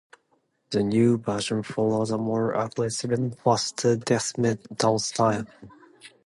The new version follows a more aggressive and a faster death metal style.